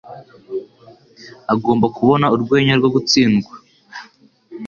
Agomba kubona urwenya rwo gutsindwa"